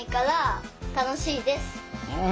うん。